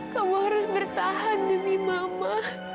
kau harus bertahan demi mama